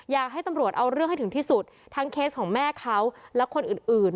อยากให้ตำรวจเอาเรื่องให้ถึงที่สุดทั้งเคสของแม่เขาและคนอื่นอื่น